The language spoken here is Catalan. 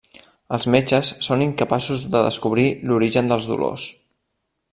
Els metges són incapaços de descobrir l'origen dels dolors.